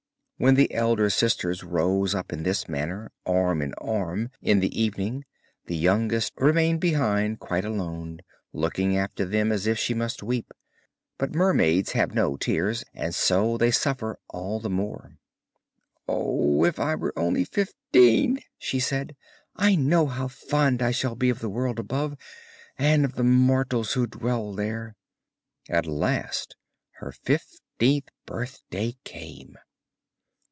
When the elder sisters rose up in this manner, arm in arm, in the evening, the youngest remained behind quite alone, looking after them as if she must weep; but mermaids have no tears, and so they suffer all the more. 'Oh! if I were only fifteen!' she said, 'I know how fond I shall be of the world above, and of the mortals who dwell there.' At last her fifteenth birthday came.